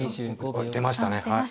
あっ出ましたね。